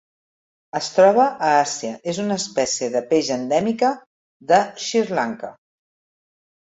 Es troba a Àsia: és una espècie de peix endèmica de Sri Lanka.